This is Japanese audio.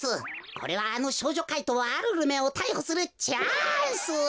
これはあの少女怪盗アルルめをたいほするチャンス！